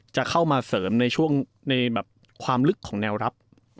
จะเข้ามาเสริมในช่วงในความลึกของแนวรับ